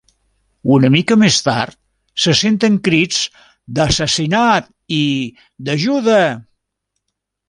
Una mica més tard, se senten crits d'"assassinat" i "ajuda".